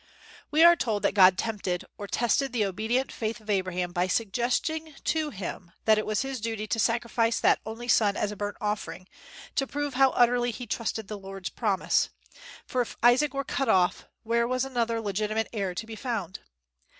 We are told that God "tempted," or tested, the obedient faith of Abraham, by suggesting to him that it was his duty to sacrifice that only son as a burnt offering, to prove how utterly he trusted the Lord's promise; for if Isaac were cut off, where was another legitimate heir to be found?